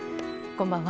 こんばんは。